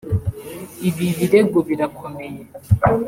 ‘Ibi birego birakomeye